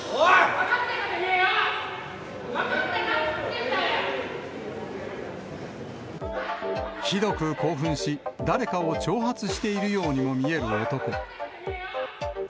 分かったか言えよ、分かったひどく興奮し、誰かを挑発しているようにも見える男。